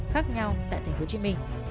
khác nhau tại tp hcm